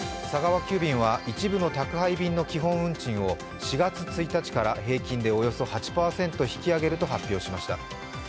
急便は一部の宅配便の基本運賃を４月１日から平均でおよそ８％引き上げると発表しました。